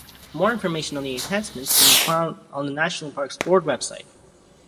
More information on the enhancements can be found on the National Parks Board website.